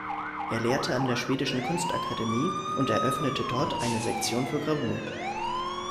Er lehrte an der schwedischen Kunstakademie und eröffnete dort eine Sektion für Gravur.